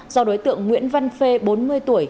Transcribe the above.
do đối tượng nguyễn văn phê bốn mươi tuổi